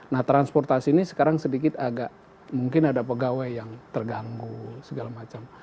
nah transportasi ini sekarang sedikit agak mungkin ada pegawai yang terganggu segala macam